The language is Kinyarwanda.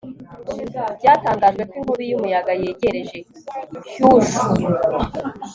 Byatangajwe ko inkubi yumuyaga yegereje Kyushu